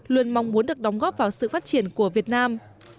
luôn mong muốn được đóng góp vào sự phát triển của việt nam